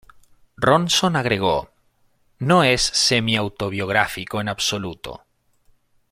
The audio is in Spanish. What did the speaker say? Ronson agregó, "no es semi-autobiográfico en absoluto".